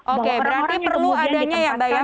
oke berarti perlu adanya yang baik ya